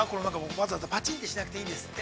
わざわざぱちんとしなくていいんですって。